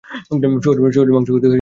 শুয়োরের মাংস খেতে খুব ভালো লাগে।